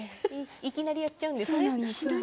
いきなりやっちゃうんですね。